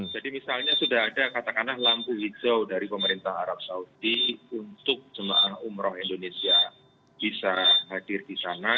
jadi misalnya sudah ada katakanlah lampu hijau dari pemerintah arab saudi untuk semua umroh indonesia bisa hadir di sana